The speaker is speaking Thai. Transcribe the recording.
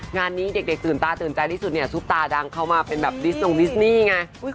งานนี้เด็กตื่นตาตื่นใจที่สุดเนี่ยซุปตาดังเข้ามาเป็นแบบดิสนงดิสนี่ไง